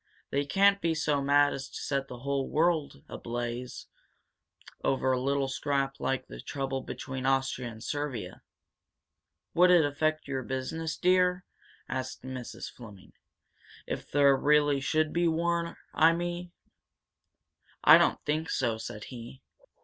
"They can't be so mad as to set the whole world ablaze over a little scrap like the trouble between Austria and Servia." "Would it affect your business, dear?" asked Mrs. Fleming. "If there really should be war, I mean?" "I don't think so," said he.